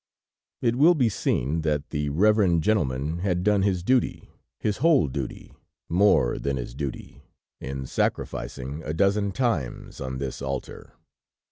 It will be seen that the reverend gentleman had done his duty, his whole duty, more than his duty, in sacrificing a dozen times on this altar.